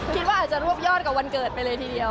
คิดว่าอาจจะรวบยอดกับวันเกิดไปเลยทีเดียว